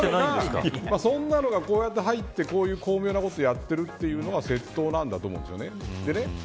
そんなのがこうやって入ってこういう巧妙なことをやってるというのが窃盗なんだと思うんです。